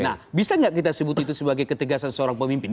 nah bisa nggak kita sebut itu sebagai ketegasan seorang pemimpin